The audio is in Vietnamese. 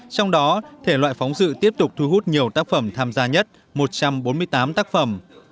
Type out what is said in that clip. trong đó thể loại phóng sự tiếp tục thu hút nhiều tác phẩm tham gia nhất một trăm bốn mươi tám tác phẩm